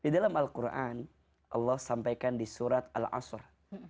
di dalam al quran allah sampaikan di surat al asr